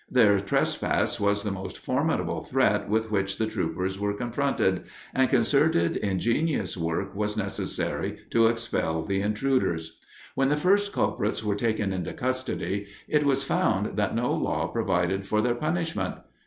Their trespass was the most formidable threat with which the troopers were confronted, and concerted, ingenious work was necessary to expel the intruders. When the first culprits were taken into custody, it was found that no law provided for their punishment.